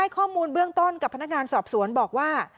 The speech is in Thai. ข้อมูลเบื้องต้นกับพนักงานสอบสวนบอกว่า